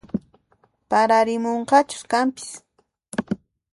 Pararimunqachus kanpis